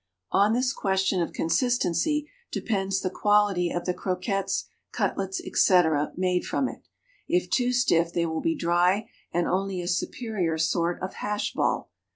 On this question of consistency depends the quality of the croquettes, cutlets, etc., made from it. If too stiff, they will be dry and only a superior sort of hash ball.